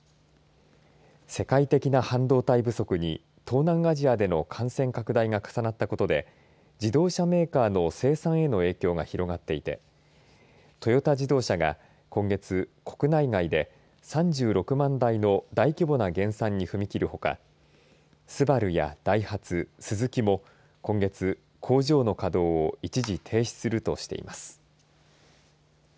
世界的な半導体不足に東南アジアでの感染拡大が重なったことで自動車メーカーの生産の影響が広がっていてトヨタ自動車が今月国内外で３６万台の大規模な減産に踏み切るほかＳＵＢＡＲＵやダイハツスズキも今月、工場の稼働を一時停止するとしています。